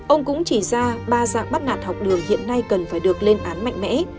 ông cũng chỉ ra ba dạng bắt nạt học đường hiện nay cần phải được lên án mạnh mẽ